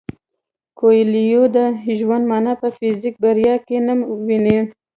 کویلیو د ژوند مانا په فزیکي بریا کې نه ویني.